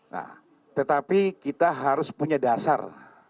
nah tetapi kita harus punya dasar